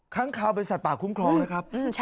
ค้างคาวเป็นสัตว์ป่าคุ้มครองนะครับ